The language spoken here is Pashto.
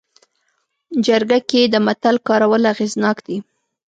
جرګه کې د متل کارول اغېزناک دي